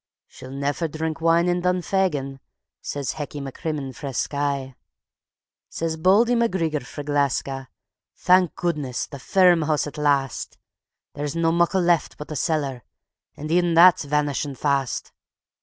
"She'll neffer trink wine in Dunfegan," says Hecky MacCrimmon frae Skye. Says Bauldy MacGreegor frae Gleska: "Thank goodness! the ferm hoose at last; There's no muckle left but the cellar, an' even that's vanishin' fast.